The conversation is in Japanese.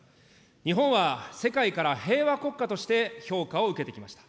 日本は、世界から平和国家として評価を受けてきました。